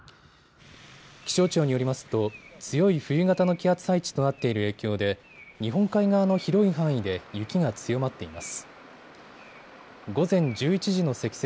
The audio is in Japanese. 気象庁によりますと強い冬型の気圧配置となっている影響で日本海側の広い範囲で雪が強まっています。